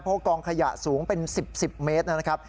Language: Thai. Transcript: เพราะกองขยะสูงเป็น๑๐๑๐เมตรนะครับ